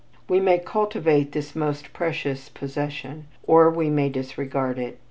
We may cultivate this most precious possession, or we may disregard it.